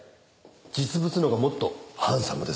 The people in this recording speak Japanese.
実物のほうがもっとハンサムですよ。